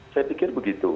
saya pikir begitu